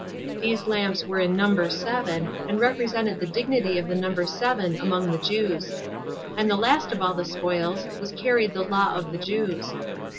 These lamps were in number seven, and represented the dignity of the number seven among the Jews; and the last of all the spoils, was carried the Law of the Jews.